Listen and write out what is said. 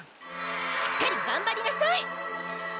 しっかりがんばりなさい！